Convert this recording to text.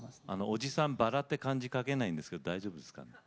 おじさん薔薇って漢字書けないんですけど大丈夫ですかね？